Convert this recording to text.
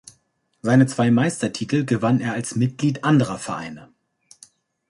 Seine zwei Meistertitel gewann er als Mitglied anderer Vereine.